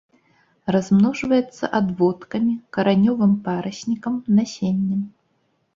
Размножваецца адводкамі, каранёвым параснікам, насеннем.